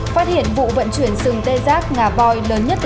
phát hiện vụ vận chuyển sừng tê giác ngả vòi lớn nhất từ trước đến nay ở việt nam